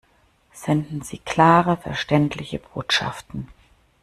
Senden Sie klare, verständliche Botschaften!